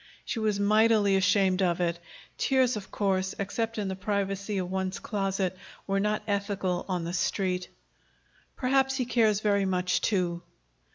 She was mightily ashamed of it. Tears, of course, except in the privacy of one's closet, were not ethical on the Street. "Perhaps he cares very much, too."